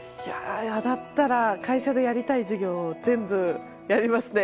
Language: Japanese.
当たったら会社でやりたい事業を全部やりますね。